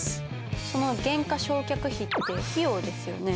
その減価償却費って費用ですよね？